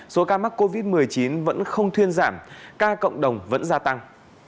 số ca mắc covid một mươi chín vẫn không thuyên giảm ca cộng đồng vẫn gia tăng